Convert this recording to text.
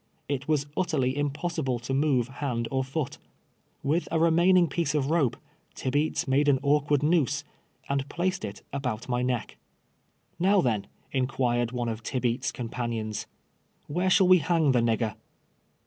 It was utterly impossible to move hand or foot. "VYith a remaining piece of rojje Tibeats made an awk ward noose, and placed it about my neck. " Kow, then," inquired one of Tibeats' companions, " where shall we hang the nigger